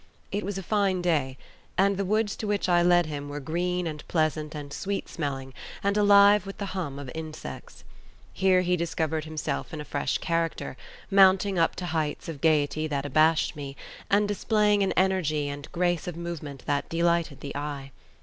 It was a fine day, and the woods to which I led him were green and pleasant and sweet smelling and alive with the hum of insects. Here he discovered himself in a fresh character, mounting up to heights of gaiety that abashed me, and displaying an energy and grace of movement that delighted the eye.